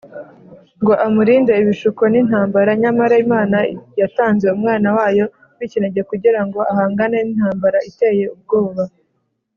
, ngo amurinde ibishuko n’intambara. Nyamara Imana yatanze Umwana wayo w’ikinege, kugira ngo ahangane n’intambara iteye ubwoba